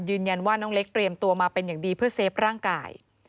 น้องเล็กเตรียมตัวมาเป็นอย่างดีเพื่อเซฟร่างกาย